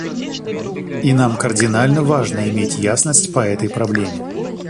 И нам кардинально важно иметь ясность по этой проблеме.